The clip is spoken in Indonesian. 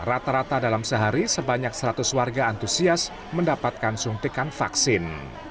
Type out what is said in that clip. rata rata dalam sehari sebanyak seratus warga antusias mendapatkan suntikan vaksin